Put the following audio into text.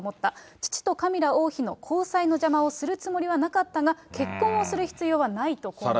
父とカミラ王妃の交際の邪魔をするつもりはなかったが、結婚をする必要はないと懇願した。